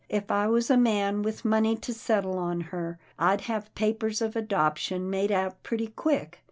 If I was a man with money to settle on her, I'd have papers of adoption made out pretty quick.